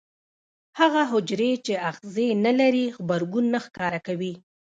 هغه حجرې چې آخذې نه لري غبرګون نه ښکاره کوي.